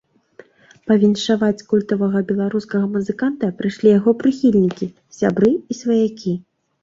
Павіншаваць культавага беларускага музыканта прыйшлі яго прыхільнікі, сябры і сваякі.